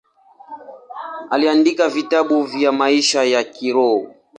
Aliandika vitabu vya maisha ya kiroho.